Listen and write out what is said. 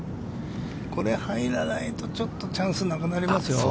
これ入らないと、ちょっとチャンスがなくなりますよ。